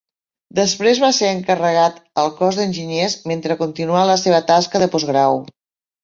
Després va ser encarregat al cos d'enginyers, mentre continuà la seva tasca de postgrau.